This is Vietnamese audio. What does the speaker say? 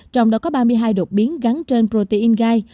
trong đó có ba mươi hai đột biến gắn trên protein gai